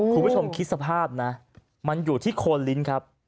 คุณผู้ชมคิดสภาพนะมันอยู่ที่โคนลิ้นครับ